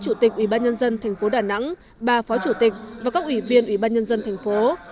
chủ tịch ủy ban nhân dân thành phố đà nẵng ba phó chủ tịch và các ủy viên ủy ban nhân dân thành phố